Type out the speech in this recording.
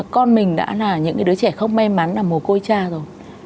con mình đã là những đứa trẻ không may mắn là mồ côi cha rồi